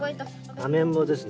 アメンボですね。